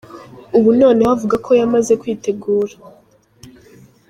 Ubu noneho avuga ko yamaze kwitegura.